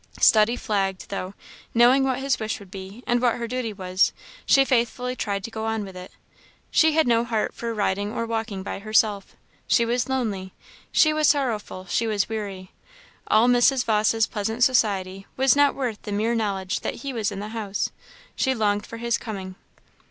Study flagged; though, knowing what his wish would be, and what her duty was, she faithfully tried to go on with it. She had no heart for riding or walking by herself. She was lonely; she was sorrowful; she was weary; all Mrs. Vawse's pleasant society was not worth the mere knowledge that he was in the house; she longed for his coming.